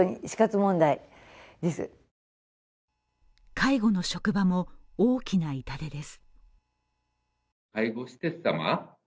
介護の職場も大きな痛手です。